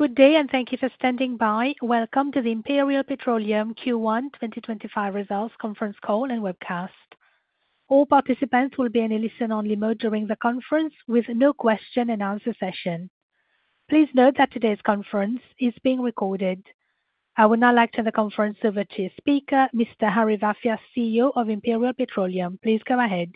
Good day, and thank you for standing by. Welcome to the Imperial Petroleum Q1 2025 Results Conference Call and Webcast. All participants will be in a listen-only mode during the conference, with no question-and-answer session. Please note that today's conference is being recorded. I would now like to hand the conference over to your speaker, Mr. Harry Vafias, CEO of Imperial Petroleum. Please go ahead.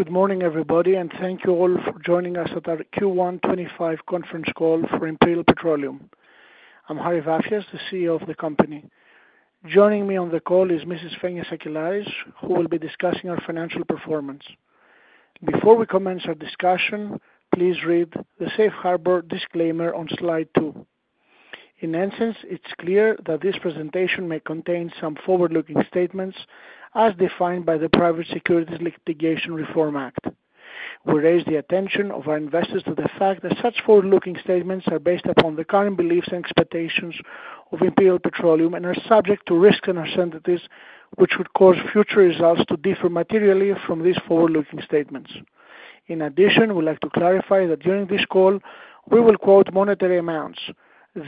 Good morning, everybody, and thank you all for joining us at our Q1 2025 Conference Call for Imperial Petroleum. I'm Harry Vafias, the CEO of the company. Joining me on the call is Mrs. Fenia Sakellari, who will be discussing our financial performance. Before we commence our discussion, please read the safe harbor disclaimer on slide two. In essence, it's clear that this presentation may contain some forward-looking statements, as defined by the Private Securities Litigation Reform Act. We raise the attention of our investors to the fact that such forward-looking statements are based upon the current beliefs and expectations of Imperial Petroleum and are subject to risks and uncertainties, which would cause future results to differ materially from these forward-looking statements. In addition, we'd like to clarify that during this call, we will quote monetary amounts.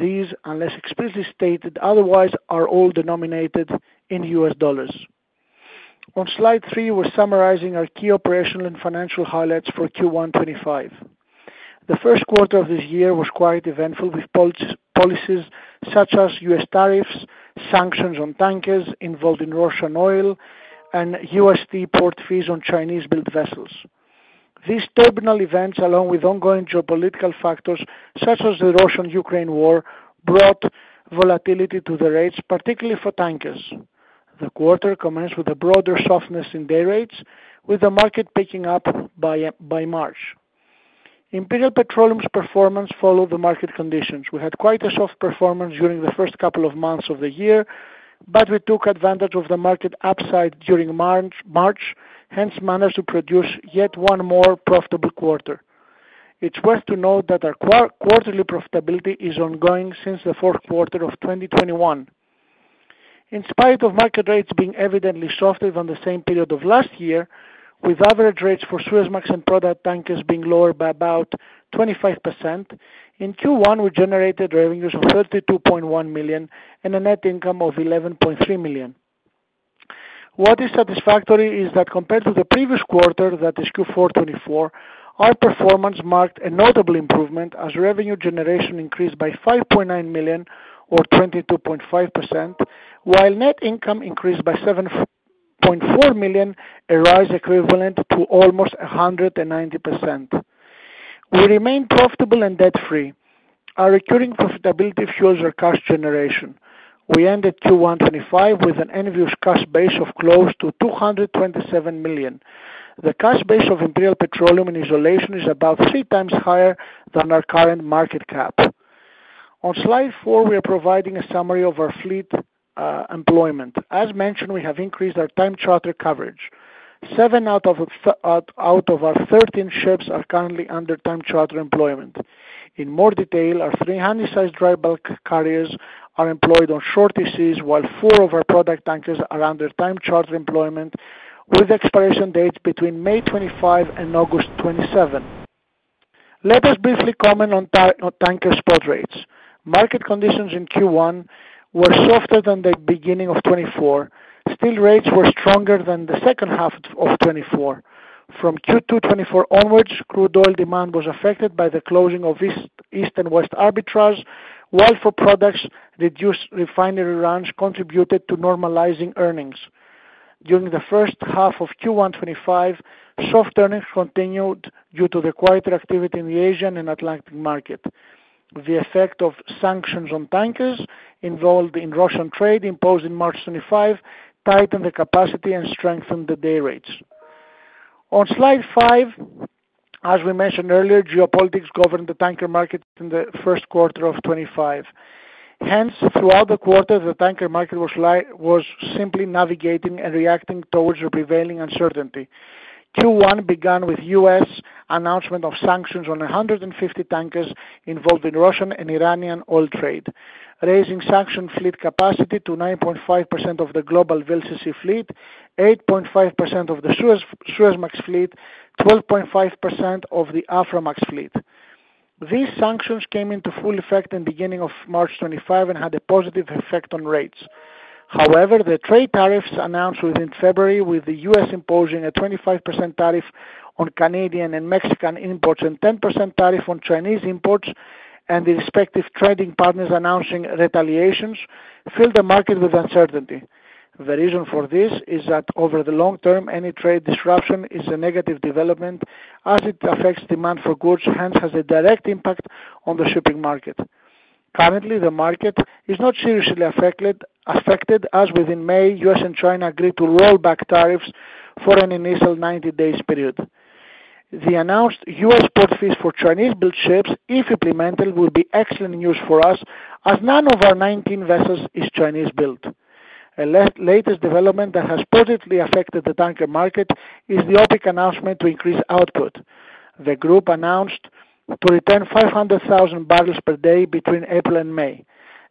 These, unless explicitly stated otherwise, are all denominated in U.S. dollars. On slide three, we're summarizing our key operational and financial highlights for Q1 2025. The first quarter of this year was quite eventful, with policies such as U.S. tariffs, sanctions on tankers involved in Russian oil, and USD port fees on Chinese-built vessels. These turbulent events, along with ongoing geopolitical factors such as the Russia-Ukraine war, brought volatility to the rates, particularly for tankers. The quarter commenced with a broader softness in day rates, with the market picking up by March. Imperial Petroleum's performance followed the market conditions. We had quite a soft performance during the first couple of months of the year, but we took advantage of the market upside during March, hence managed to produce yet one more profitable quarter. It's worth to note that our quarterly profitability is ongoing since the fourth quarter of 2021. In spite of market rates being evidently softer than the same period of last year, with average rates for Suezmax and product tankers being lower by about 25%, in Q1, we generated revenues of $32.1 million and a net income of $11.3 million. What is satisfactory is that compared to the previous quarter, that is Q4 2024, our performance marked a notable improvement as revenue generation increased by $5.9 million, or 22.5%, while net income increased by $7.4 million, a rise equivalent to almost 190%. We remained profitable and debt-free. Our recurring profitability fuels our cash generation. We ended Q1 2025 with an end-use cash base of close to $227 million. The cash base of Imperial Petroleum in isolation is about 3x higher than our current market cap. On slide four, we are providing a summary of our fleet employment. As mentioned, we have increased our time charter coverage. Seven out of our 13 ships are currently under time charter employment. In more detail, our three handy-sized dry bulk carriers are employed on short TCs, while four of our product tankers are under time charter employment with expiration dates between May 25 and August 27. Let us briefly comment on tanker spot rates. Market conditions in Q1 were softer than the beginning of 2024. Steel rates were stronger than the second half of 2024. From Q2 2024 onwards, crude oil demand was affected by the closing of East and West Arbitrage, while for products, reduced refinery runs contributed to normalizing earnings. During the first half of Q1 2025, soft earnings continued due to the quieter activity in the Asian and Atlantic market. The effect of sanctions on tankers involved in Russian trade imposed in March 2025 tightened the capacity and strengthened the day rates. On slide five, as we mentioned earlier, geopolitics governed the tanker market in the first quarter of 2025. Hence, throughout the quarter, the tanker market was simply navigating and reacting towards the prevailing uncertainty. Q1 began with U.S. announcement of sanctions on 150 tankers involved in Russian and Iranian oil trade, raising sanctioned fleet capacity to 9.5% of the global VLCC fleet, 8.5% of the Suezmax fleet, and 12.5% of the Aframax fleet. These sanctions came into full effect in the beginning of March 2025 and had a positive effect on rates. However, the trade tariffs announced within February, with the U.S. imposing a 25% tariff on Canadian and Mexican imports and a 10% tariff on Chinese imports, and the respective trading partners announcing retaliations, filled the market with uncertainty. The reason for this is that over the long term, any trade disruption is a negative development as it affects demand for goods, hence has a direct impact on the shipping market. Currently, the market is not seriously affected, as within May, U.S. and China agreed to roll back tariffs for an initial 90-day period. The announced US port fees for Chinese-built ships, if implemented, would be excellent news for us, as none of our 19 vessels is Chinese-built. A latest development that has positively affected the tanker market is the OPEC announcement to increase output. The group announced to return 500,000 barrels per day between April and May.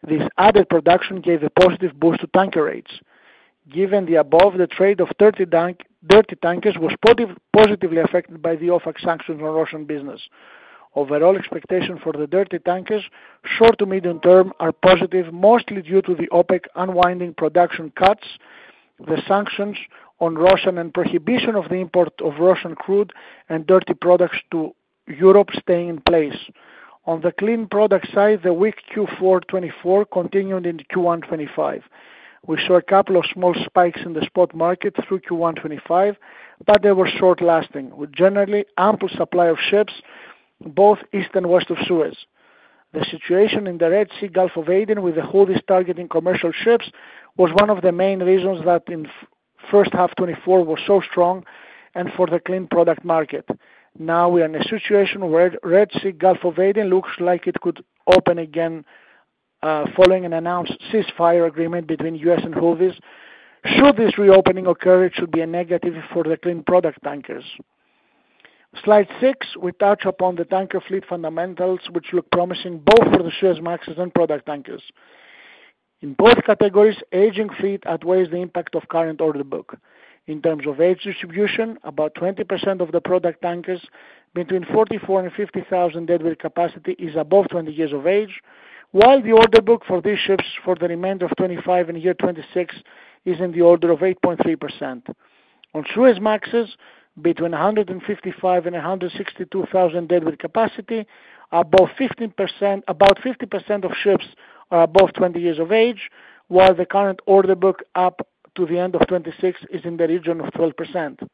This added production gave a positive boost to tanker rates. Given the above, the trade of dirty tankers was positively affected by the OPEC sanctions on Russian business. Overall, expectations for the dirty tankers short to medium term are positive, mostly due to the OPEC unwinding production cuts, the sanctions on Russian, and prohibition of the import of Russian crude and dirty products to Europe staying in place. On the clean product side, the weak Q4 2024 continued into Q1 2025. We saw a couple of small spikes in the spot market through Q1 2025, but they were short-lasting, with generally ample supply of ships both East and West of Suez. The situation in the Red Sea Gulf of Aden, with the Houthis targeting commercial ships, was one of the main reasons that in the first half of 2024 was so strong and for the clean product market. Now we are in a situation where the Red Sea Gulf of Aden looks like it could open again following an announced ceasefire agreement between the U.S. and Houthis. Should this reopening occur, it should be a negative for the clean product tankers. Slide six, we touch upon the tanker fleet fundamentals, which look promising both for the Suezmaxes and product tankers. In both categories, aging fleet outweighs the impact of current order book. In terms of age distribution, about 20% of the product tankers between 44,000 and 50,000 deadweight capacity is above 20 years of age, while the order book for these ships for the remainder of 2025 and year 2026 is in the order of 8.3%. On Suezmaxes, between 155,000 and 162,000 deadweight capacity, about 50% of ships are above 20 years of age, while the current order book up to the end of 2026 is in the region of 12%.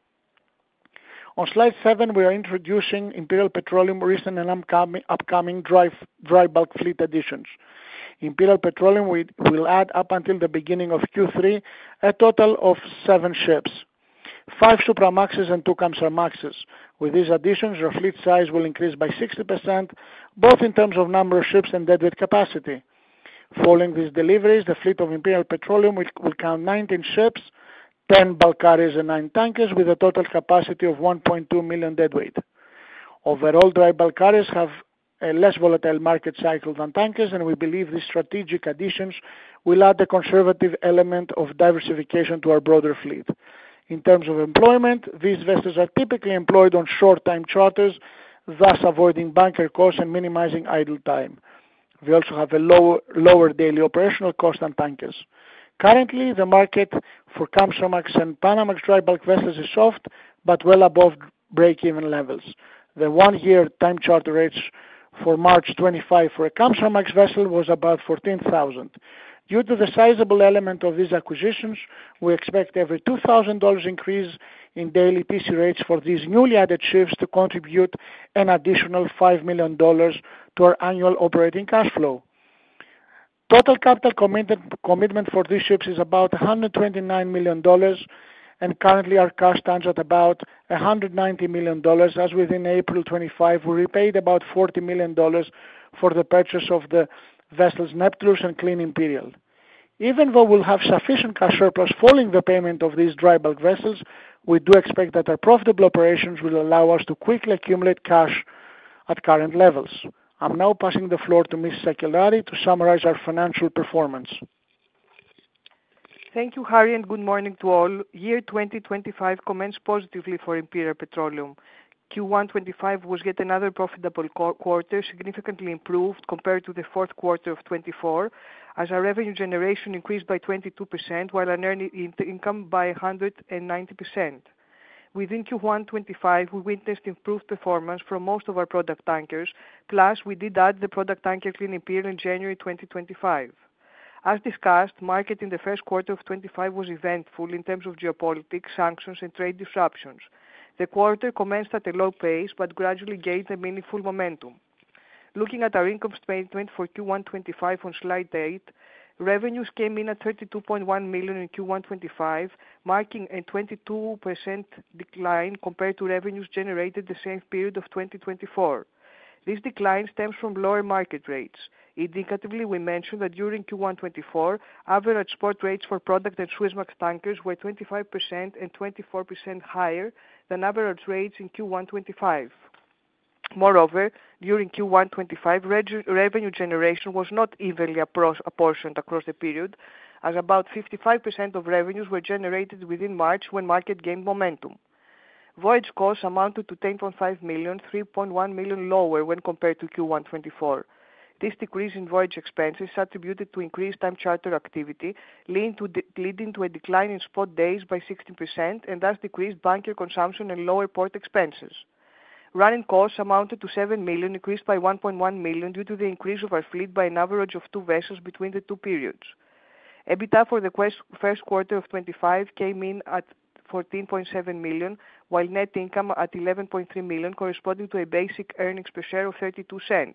On slide seven, we are introducing Imperial Petroleum recent and upcoming dry bulk fleet additions. Imperial Petroleum will add up until the beginning of Q3 a total of seven ships, five Supramaxes and two Kamsarmaxes. With these additions, their fleet size will increase by 60%, both in terms of number of ships and deadweight capacity. Following these deliveries, the fleet of Imperial Petroleum will count 19 ships, 10 bulk carriers, and 9 tankers, with a total capacity of 1.2 million deadweight. Overall, dry bulk carriers have a less volatile market cycle than tankers, and we believe these strategic additions will add the conservative element of diversification to our broader fleet. In terms of employment, these vessels are typically employed on short-time charters, thus avoiding bunker costs and minimizing idle time. We also have a lower daily operational cost on tankers. Currently, the market for Kamsarmax and Panamax dry bulk vessels is soft but well above break-even levels. The one-year time charter rates for March 2025 for a Kamsarmax vessel was about $14,000. Due to the sizable element of these acquisitions, we expect every $2,000 increase in daily TC rates for these newly added ships to contribute an additional $5 million to our annual operating cash flow. Total capital commitment for these ships is about $129 million, and currently, our cash stands at about $190 million, as within April 2025, we repaid about $40 million for the purchase of the vessels Neptulus and Clean Imperial. Even though we'll have sufficient cash surplus following the payment of these dry bulk vessels, we do expect that our profitable operations will allow us to quickly accumulate cash at current levels. I'm now passing the floor to Mrs. Sakellari to summarize our financial performance. Thank you, Harry, and good morning to all. Year 2025 commenced positively for Imperial Petroleum. Q1 2025 was yet another profitable quarter, significantly improved compared to the fourth quarter of 2024, as our revenue generation increased by 22%, while our net income by 190%. Within Q1 2025, we witnessed improved performance for most of our product tankers, plus we did add the product tanker Clean Imperial in January 2025. As discussed, market in the first quarter of 2025 was eventful in terms of geopolitics, sanctions, and trade disruptions. The quarter commenced at a low pace but gradually gained a meaningful momentum. Looking at our income statement for Q1 2025 on slide eight, revenues came in at $32.1 million in Q1 2025, marking a 22% decline compared to revenues generated in the same period of 2024. This decline stems from lower market rates. Indicatively, we mentioned that during Q1 2024, average spot rates for product and Suezmax tankers were 25% and 24% higher than average rates in Q1 2025. Moreover, during Q1 2025, revenue generation was not evenly apportioned across the period, as about 55% of revenues were generated within March when market gained momentum. Voyage costs amounted to $10.5 million, $3.1 million lower when compared to Q1 2024. This decrease in voyage expenses attributed to increased time charter activity, leading to a decline in spot days by 16%, and thus decreased bunker consumption and lower port expenses. Running costs amounted to $7 million, increased by $1.1 million due to the increase of our fleet by an average of two vessels between the two periods. EBITDA for the first quarter of 2025 came in at $14.7 million, while net income at $11.3 million, corresponding to a basic earnings per share of $0.32.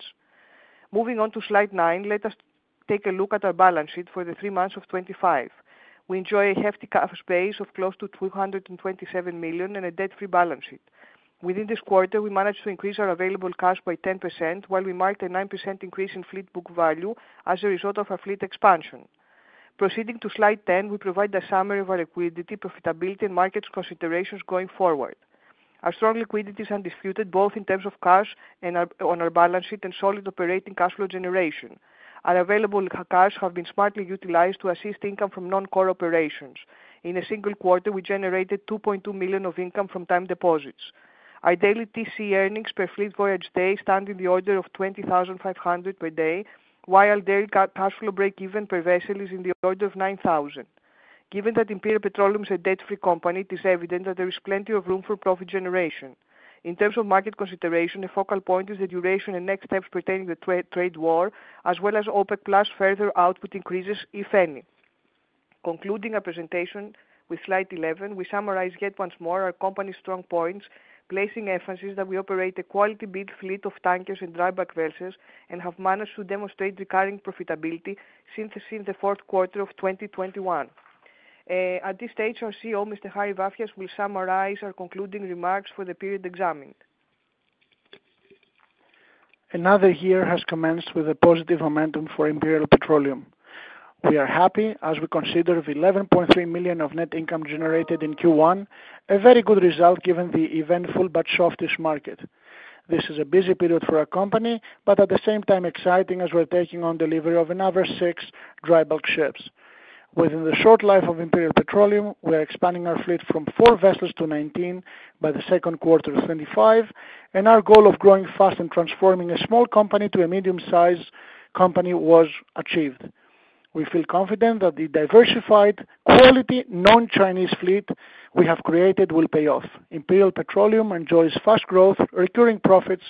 Moving on to slide nine, let us take a look at our balance sheet for the 3 months of 2025. We enjoy a hefty cash base of close to $227 million and a debt-free balance sheet. Within this quarter, we managed to increase our available cash by 10%, while we marked a 9% increase in fleet book value as a result of our fleet expansion. Proceeding to slide ten, we provide a summary of our liquidity, profitability, and market considerations going forward. Our strong liquidity is undisputed, both in terms of cash on our balance sheet and solid operating cash flow generation. Our available cash has been smartly utilized to assist income from non-core operations. In a single quarter, we generated $2.2 million of income from time deposits. Our daily PC earnings per fleet voyage day stand in the order of $20,500 per day, while daily cash flow break-even per vessel is in the order of $9,000. Given that Imperial Petroleum is a debt-free company, it is evident that there is plenty of room for profit generation. In terms of market consideration, a focal point is the duration and next steps pertaining to the trade war, as well as OPEC+ further output increases, if any. Concluding our presentation with slide 11, we summarize yet once more our company's strong points, placing emphasis that we operate a quality-built fleet of tankers and dry bulk vessels and have managed to demonstrate recurring profitability since the fourth quarter of 2021. At this stage, our CEO, Mr. Harry Vafias, will summarize our concluding remarks for the period examined. Another year has commenced with a positive momentum for Imperial Petroleum. We are happy as we consider the $11.3 million of net income generated in Q1, a very good result given the eventful but softish market. This is a busy period for our company, but at the same time exciting as we're taking on delivery of another six dry bulk ships. Within the short life of Imperial Petroleum, we are expanding our fleet from four vessels to 19 by the second quarter of 2025, and our goal of growing fast and transforming a small company to a medium-sized company was achieved. We feel confident that the diversified, quality, non-Chinese fleet we have created will pay off. Imperial Petroleum enjoys fast growth, recurring profits,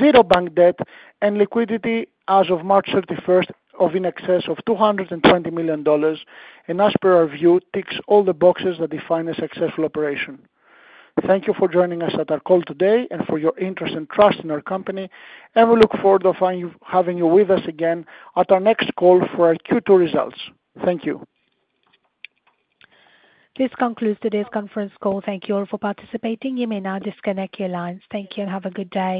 zero bank debt, and liquidity as of March 31 of in excess of $220 million, and as per our view, ticks all the boxes that define a successful operation. Thank you for joining us at our call today and for your interest and trust in our company, and we look forward to having you with us again at our next call for our Q2 results. Thank you. This concludes today's conference call. Thank you all for participating. You may now disconnect your lines. Thank you and have a good day.